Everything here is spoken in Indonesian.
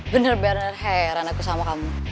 bener bener heran aku sama kamu